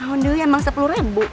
awan dulu emang sepuluh ribu